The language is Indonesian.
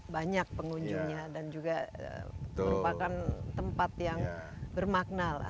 banyak pengunjungnya dan juga merupakan tempat yang bermakna lah